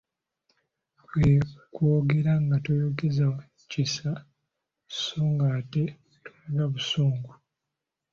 Kwe kwogera nga toyogeza kisa sso ng'ate tolaga busungu.